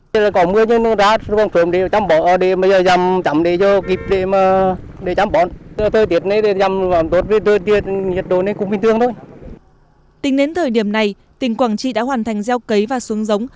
tính đến thời điểm này tỉnh quảng trị đã hoàn thành gieo cấy và xuống giống